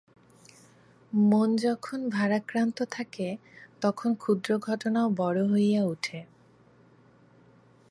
মন যখন ভারাক্রান্ত থাকে তখন ক্ষুদ্র ঘটনাও বড়ো হইয়া উঠে।